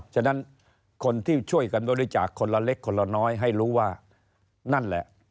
ฉะนั้นคนที่ช่วยกันบริจาคคนละเล็กคนละน้อยให้รู้ว่านั่นแหละ